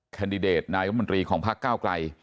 แคนดิเดตนายกระดาษมนตรีของภาคกล้าวไกล